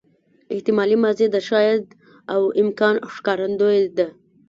احتمالي ماضي د شاید او امکان ښکارندوی ده.